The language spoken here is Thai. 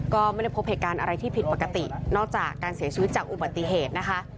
ก็ไม่ได้พบเหตุการณ์อะไรที่ผิดปกตินอกจากการเสียชีวิตจากอุบัติเหตุนะคะ